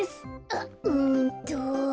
あっうんと。